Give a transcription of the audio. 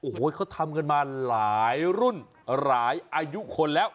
โอ้โหเขาทำกันมาหลายรุ่นหลายอายุคนแล้ว